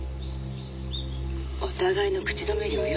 「お互いの口止め料よ」